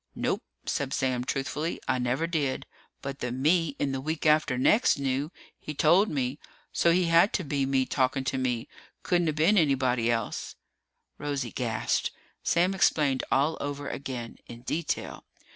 "Nope," said Sam truthfully. "I never did. But the me in the week after next knew. He told me. So he had to be me talking to me. Couldn't've been anybody else." Rosie gasped. Sam explained all over again. In detail.